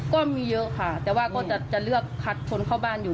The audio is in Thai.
ก็มีเยอะค่ะแต่ว่าก็จะเลือกคัดคนเข้าบ้านอยู่